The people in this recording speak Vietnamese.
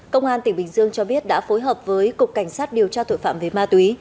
công an tỉnh bình dương cho biết đã phối hợp với cục cảnh sát điều tra tội phạm về ma túy